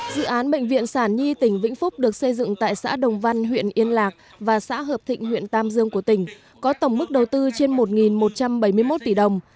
dự án bệnh viện sản nhi tỉnh vĩnh phúc được xây dựng tại xã đồng văn huyện yên lạc và xã hợp thịnh huyện tam dương của tỉnh có tổng mức đầu tư trên một một trăm bảy mươi một tỷ đồng